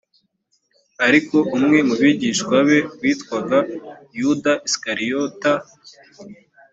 ariko umwe mu bigishwa be witwaga yuda isikariyota